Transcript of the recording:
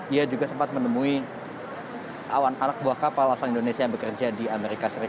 ia juga sempat menemui awan anak buah kapal asal indonesia yang bekerja di as